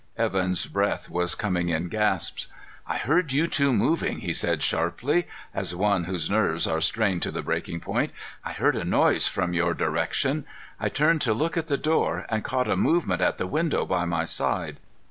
Evan's breath was coming in gasps. "I heard you two moving," he said sharply, as one whose nerves are strained to the breaking point. "I heard a noise from your direction. I turned to look at the door and caught a movement at the window by my side.